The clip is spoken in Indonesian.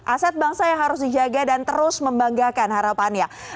aset bangsa yang harus dijaga dan terus membanggakan harapannya